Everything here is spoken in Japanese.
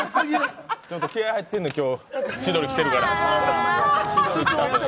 気合い入ってるのよ、今日、千鳥来てるから。